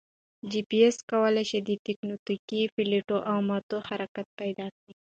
جي پي ایس کوای شي د تکوتنیکي پلیټو او ماتو حرکت پیدا کړي